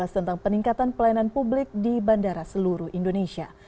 tentang peningkatan pelayanan publik di bandara seluruh indonesia